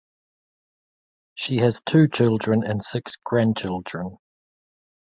She has two children and six grandchildren.